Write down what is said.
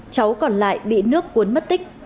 cháu còn lại bị nước cuốn mất tích